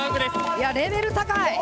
いやレベル高い！